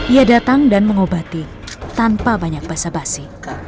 ia datang dan mengobati tanpa banyak basa basi